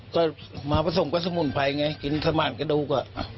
ก็มาผสมกับสมุนไพรไงกินสมานกระดูก